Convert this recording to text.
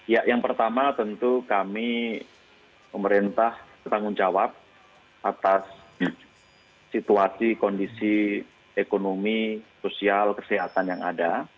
ya yang pertama tentu kami pemerintah bertanggung jawab atas situasi kondisi ekonomi sosial kesehatan yang ada